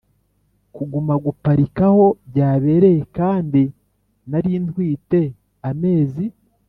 kuguma gupakira aho byabereye kandi nari ntwite amezi